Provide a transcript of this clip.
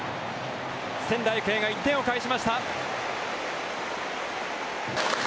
仙台育英が１点を返しました。